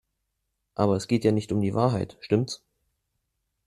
Aber es geht ja nicht um die Wahrheit, stimmts?